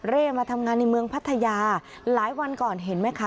มาทำงานในเมืองพัทยาหลายวันก่อนเห็นไหมคะ